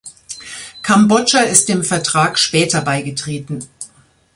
Kambodscha ist dem Vertrag später beigetreten.